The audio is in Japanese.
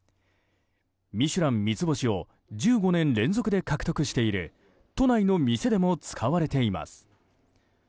「ミシュラン」三つ星を１５年連続で獲得している都内の店でも使われています。